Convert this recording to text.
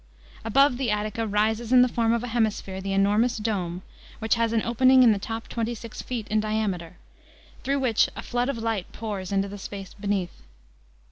Above the attica rises, in the form of a hemisphere, the enormous dome, whicht has an opening in the top twenty six feet in diameter, through which a flood of light pours into the space beneath.